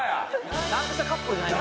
ちゃんとしたカップルじゃない。